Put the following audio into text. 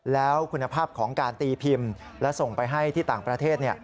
แล้วคุณภาพของการตีพิมพ์และส่งไปให้ที่ต่างประเทศ